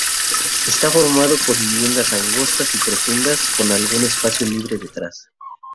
Está formado por viviendas angostas y profundas con algún espacio libre detrás.